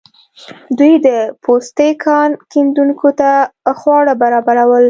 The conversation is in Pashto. دوی د پوتسي کان کیندونکو ته خواړه برابرول.